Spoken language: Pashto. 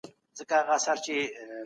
د پېښو علتونه بايد پيدا سي.